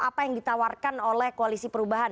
apa yang ditawarkan oleh koalisi perubahan